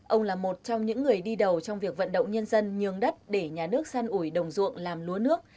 ông là một trong những người đi đầu trong việc vận động nhân dân nhường đất để nhà nước săn ủi đồng ruộng làm lúa nước